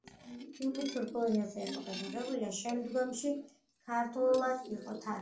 ფილმი თურქულ ენაზე იყო გადაღებული და შემდეგში ქურთულად იყო თარგმნილი.